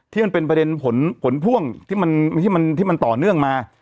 ที่เป็นประเด็นผลพ่วงที่มันต่อเนื่องมา